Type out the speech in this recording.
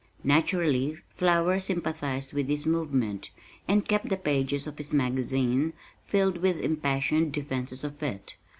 Naturally Flower sympathized with this movement, and kept the pages of his magazine filled with impassioned defenses of it.